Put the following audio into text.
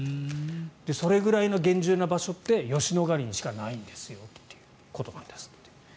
それぐらいの厳重な場所って吉野ヶ里しかないんですよということなんですって。